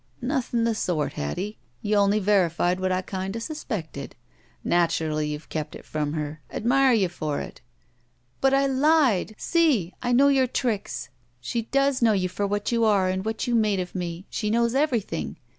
"Notiiin' the sort, Hattie. You only verified what I kinda suspected. Naturally, youVe kept it from her. Admire you for it." "But I lied! See! I know your tricks. She does know you for what you are and what you made of me. She knows everything.